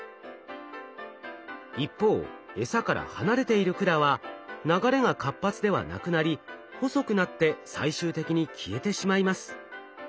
一方えさから離れている管は流れが活発ではなくなり細くなって最終的に消えてしまいます。